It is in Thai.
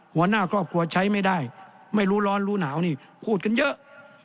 หัวหน้าครอบครัวใช้ไม่ได้ไม่รู้ร้อนรู้หนาวนี่พูดกันเยอะ